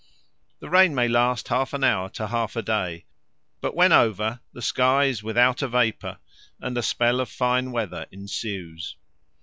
The rain may last half an hour to half a day, but when over the sky is without a vapour and a spell of fine weather ensues.